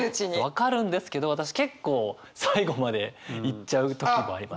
分かるんですけど私結構最後までいっちゃう時もあります。